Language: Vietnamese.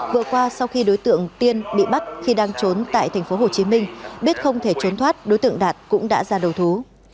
vừa qua sau khi đối tượng tiên bị bắt khi đang trốn tại tp hcm biết không thể trốn thoát đối tượng đạt cũng đã ra đầu thú